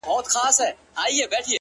کور مي ورانېدی ورته کتله مي،